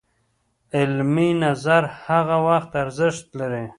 علمي نظر هغه وخت ارزښت لري